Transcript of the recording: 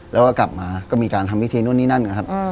แล้วก็กลับมาก็มีการทำวิธีนู่นนี่นั่นนะครับ